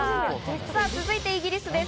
続いてイギリスです。